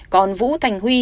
còn vũ thành huy